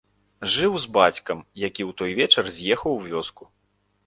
Жыў з бацькам, які ў той вечар з'ехаў у вёску.